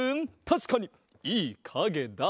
たしかにいいかげだ！